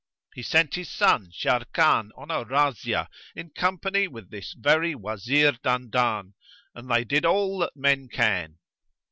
He sent his son Sharrkan on a razzia in company with this very Wazir Dandan; and they did all that men can.